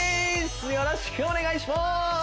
よろしくお願いします